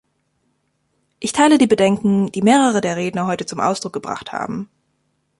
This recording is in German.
Ich teile die Bedenken, die mehrere der Redner heute zum Ausdruck gebracht haben.